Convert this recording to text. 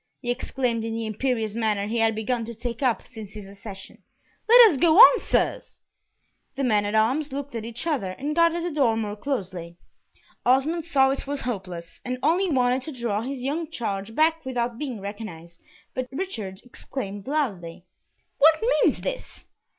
he exclaimed in the imperious manner he had begun to take up since his accession. "Let us go on, sirs." The men at arms looked at each other, and guarded the door more closely. Osmond saw it was hopeless, and only wanted to draw his young charge back without being recognised, but Richard exclaimed loudly, "What means this?"